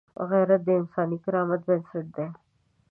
غیرت د انساني کرامت بنسټ دی